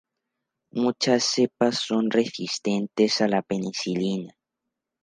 Muchas cepas son resistentes a la penicilina.